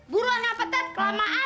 buruan apa tete kelamaan